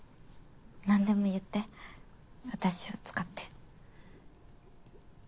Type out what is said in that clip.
何でも言って私を使って。